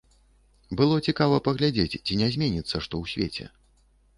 Было цікава паглядзець, ці не зменіцца што ў свеце.